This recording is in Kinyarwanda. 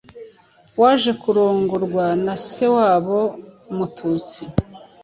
waje kurongorwa na Sewabo Mututsi,